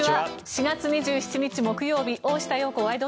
４月２７日、木曜日「大下容子ワイド！